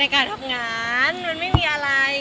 การทำงานมันไม่มีอะไร